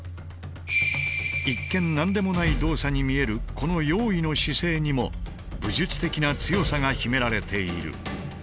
一見何でもない動作に見えるこの用意の姿勢にも武術的な強さが秘められている。